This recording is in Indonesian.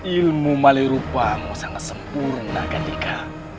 ilmu malirupamu sangat sempurna kan dika